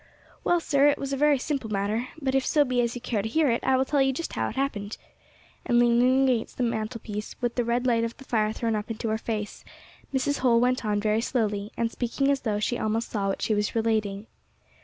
"Well, sir, it was a very simple matter. But if so be as you care to hear it, I will tell you just how it happened." And, leaning against the mantelpiece, with the red light of the fire thrown up into her face, Mrs. Holl went on very slowly, and speaking as though she almost saw what she was relating.